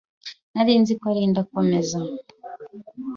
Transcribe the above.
nirinze ko arinda akomeza